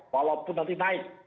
walaupun nanti naik